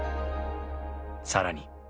更に！